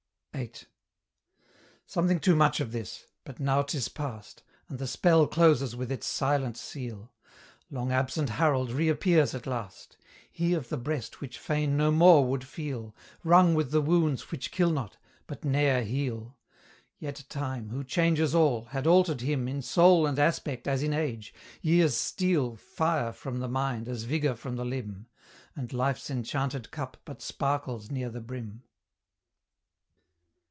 VIII. Something too much of this: but now 'tis past, And the spell closes with its silent seal. Long absent Harold reappears at last; He of the breast which fain no more would feel, Wrung with the wounds which kill not, but ne'er heal; Yet Time, who changes all, had altered him In soul and aspect as in age: years steal Fire from the mind as vigour from the limb; And life's enchanted cup but sparkles near the brim.